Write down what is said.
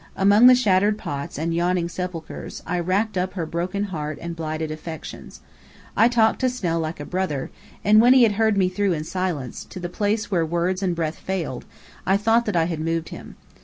Among the shattered pots and yawning sepulchres, I racked up her broken heart and blighted affections. I talked to Snell like a brother, and when he had heard me through in silence, to the place where words and breath failed, I thought that I had moved him.